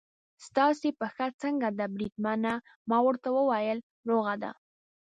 ستاسې پښه څنګه ده بریدمنه؟ ما ورته وویل: روغه ده.